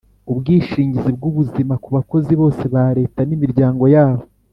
ubwishingizi bw ubuzima ku bakozi bose ba Leta n imiryango yabo